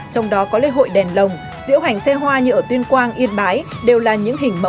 trong đó có lễ hội đèn lồng diễu hành xe hoa như ở tuyên quang yên bái